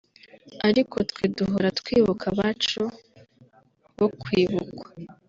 ariko twe duhora twibuka abacu bo kibukwa